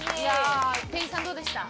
店員さんどうでした？